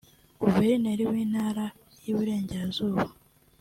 Guverineri w’Intara y’i Burengerazuba